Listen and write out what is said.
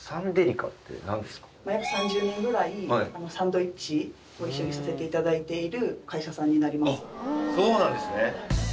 約３０年ぐらいサンドイッチを一緒にさせていただいている会社さんになりますそうなんですね